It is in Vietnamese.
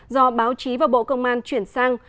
do báo chí và bộ công an chuyển sang